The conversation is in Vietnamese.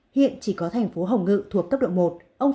hiện chỉ có thành phố hồng ngự thuộc cấp độ một